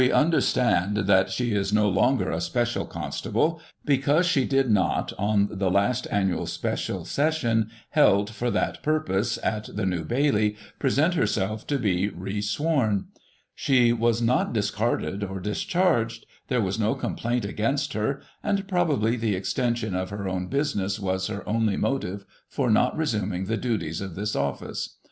[1838 understand that she is no longer a special constable, because she did not, on the last annual special session, held for that purpose at the New Bailey, present herself to be resworn. She was not discarded or discharged ; there was no complaint against her ; and, probably, the extension of her own business was her only motive for not resimiing the duties of this office.